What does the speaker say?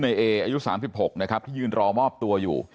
นายเออายุสามสิบหกนะครับที่ยืนรอมอบตัวอยู่